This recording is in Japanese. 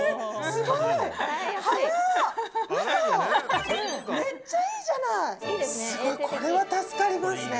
すごい、これは助かりますね。